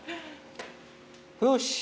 よし！